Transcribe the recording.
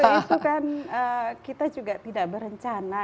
itu kan kita juga tidak berencana